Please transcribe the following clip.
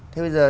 thế bây giờ